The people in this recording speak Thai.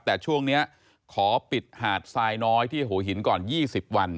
แต่ช่วงนี้ขอปิดหาดทรายน้อยที่หัวหินก่อน๒๐วัน